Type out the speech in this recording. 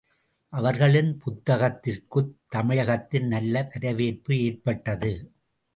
அவர்களின் புத்தகத்திற்குத் தமிழகத்தில் நல்ல வரவேற்பு ஏற்பட்டது.